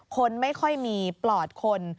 คนไม่ค่อยมีปลอดคน